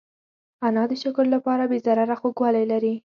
انار د شکر لپاره بې ضرره خوږوالی لري.